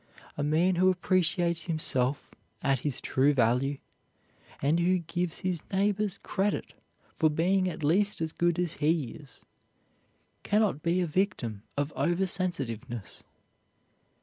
A man who appreciates himself at his true value, and who gives his neighbors credit for being at least as good as he is, cannot be a victim of over sensitiveness.